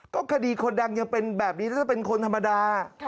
ก็คดีคนดังยังเป็นแบบนี้ถ้าเป็นคนธรรมดา